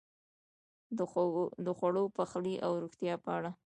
د خوړو، پخلی او روغتیا په اړه: